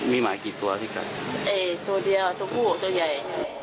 มีหมากี่ตัวพี่ครับไอ้ตัวเดียวตัวผู้ตัวใหญ่